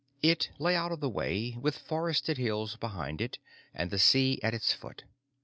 It lay out of the way, with forested hills behind it and the sea at its foot.